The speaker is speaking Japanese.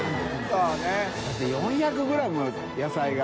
修Δだって４００ｇ野菜が。